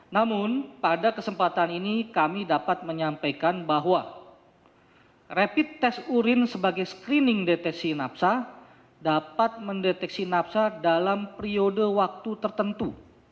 namun pada kesempatan ini kami dapat menyampaikan bahwa rapid test urin sebagai screening deteksi napsa dapat mendeteksi napsa dalam periode waktu tertentu